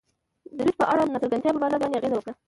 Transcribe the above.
دریځ په اړه ناڅرګندتیا په بازار باندې اغیزه وکړه.